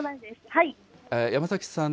山崎さん。